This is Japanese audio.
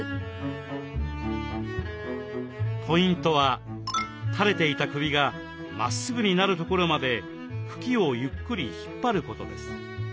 ポイントは垂れていた首がまっすぐになるところまで茎をゆっくり引っ張ることです。